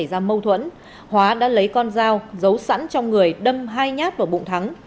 trong lúc chơi bài ăn thu bằng tiền hóa đã lấy con dao giấu sẵn trong người đâm hai nhát vào bụng thắng